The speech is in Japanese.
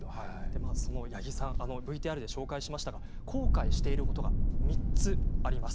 八木さんＶＴＲでご紹介しましたが後悔していることが３つあります。